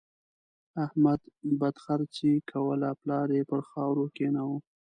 احمد بدخرڅي کوله؛ پلار يې پر خاورو کېناوو.